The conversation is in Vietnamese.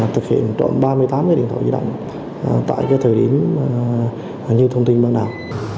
thực hiện trọn ba mươi tám điện thoại di động tại thời điểm như thông tin ban đầu